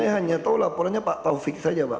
saya hanya tahu laporannya pak taufik